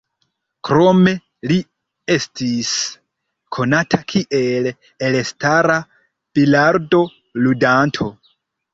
Krome li estis konata kiel elstara bilardo-ludanto.